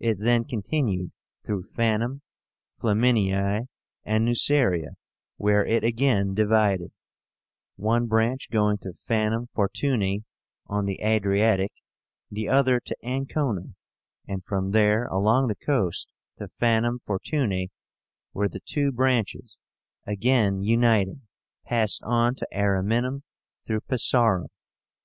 It then continued through Fanum, Flaminii, and Nuceria, where it again divided, one branch going to Fanum Fortúnae on the Adriatic, the other to Ancóna, and from there along the coast to Fanum Fortúnae, where the two branches, again uniting, passed on to Ariminum through Pisaurum.